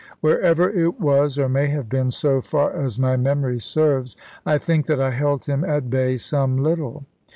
Wherever it was, or may have been, so far as my memory serves, I think that I held him at bay some little.